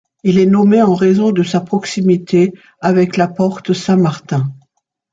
Il est nommé en raison de sa proximité avec la porte Saint-Martin.